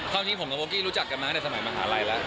ความจริงผมกับโบ๊กกี้รู้จักกันมาในสมัยมหาลัยแล้ว